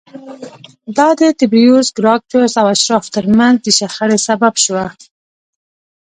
دا د تبریوس ګراکچوس او اشرافو ترمنځ د شخړې سبب شوه